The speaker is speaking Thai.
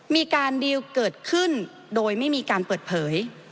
มีการดีลเกิดขึ้นโดยไม่มีการเปิดเผย